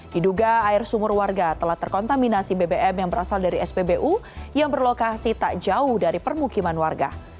diduga air sumur warga telah terkontaminasi bbm yang berasal dari spbu yang berlokasi tak jauh dari permukiman warga